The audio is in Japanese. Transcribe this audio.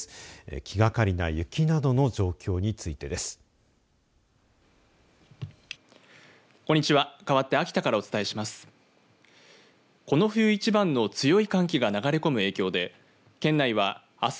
気掛かりな雪などの状況についてです。